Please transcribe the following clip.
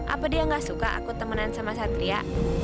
apa dia gak suka aku temenan sama satria